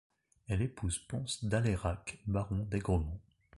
Elle épouse Pons d'Alairac baron d'Aigremont.